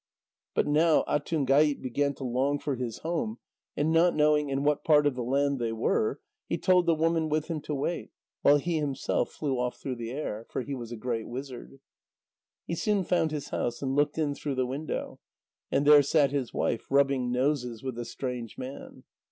But now Atungait began to long for his home, and not knowing in what part of the land they were, he told the woman with him to wait, while he himself flew off through the air. For he was a great wizard. He soon found his house, and looked in through the window. And there sat his wife, rubbing noses with a strange man.